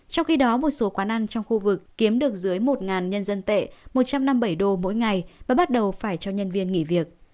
trong khi đó một số quán ăn trong khu vực kiếm được dưới một nhân dân tệ một trăm năm mươi bảy đô mỗi ngày và bắt đầu phải cho nhân viên nghỉ việc